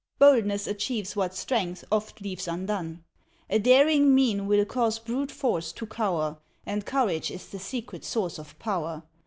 Boldness achieves what strength oft leaves undone; A daring mein will cause brute force to cower, And courage is the secret source of power.